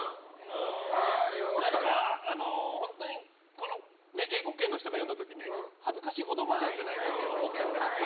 本当に、英語圏の人が読んだ時に恥ずかしい言葉なんじゃないかとか思ったりして。